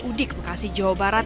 udik bekasi jawa barat